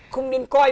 không nên coi